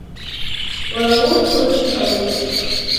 Уара урҭ урышьҭалоит.